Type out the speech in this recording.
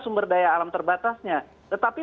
sumber daya alam terbatasnya tetapi